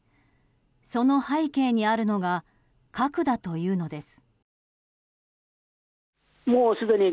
その背景にあるのが核だというのです。